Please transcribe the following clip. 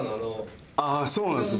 そうなんですね。